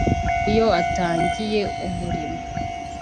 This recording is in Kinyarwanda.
Iyo atangiye umurimo